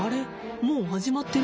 もう始まってる？